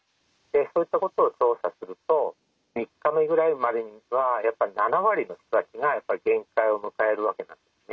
そういったことを調査すると３日目ぐらいまでにはやっぱり７割の人たちが限界を迎えるわけなんですね。